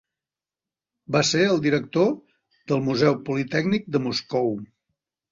Va ser el director del Museu Politècnic de Moscou.